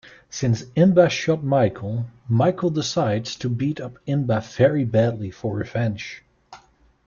Since Inba shot Michael, Michael decides to beat up Inba very badly for revenge.